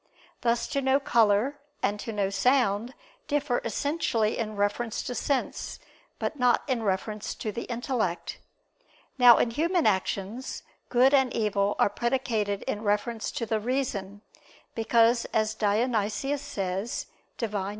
Thus to know color and to know sound, differ essentially in reference to sense, but not in reference to the intellect. Now in human actions, good and evil are predicated in reference to the reason; because as Dionysius says (Div. Nom.